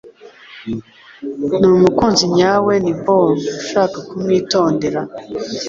Ni umukunzi nyawe ni Paul - ushaka kumwitondera!